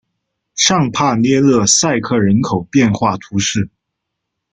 尚帕涅勒塞克人口变化图示